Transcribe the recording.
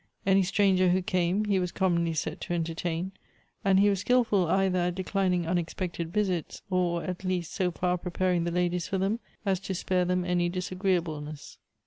Any stranger who came he was commonly set to entertain, and he was skilful either ;it declining unexpected visits, or at least so far preparing the ladies for them as to spare them any disagreeable ness.